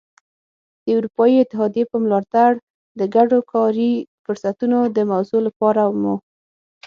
د اروپايي اتحادیې په ملاتړ د ګډو کاري فرصتونو د موضوع لپاره مو.